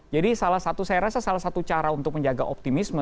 jadi salah satu saya rasa salah satu cara untuk menjaga optimisme